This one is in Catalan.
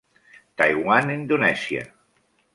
Taiwan i Indonèsia.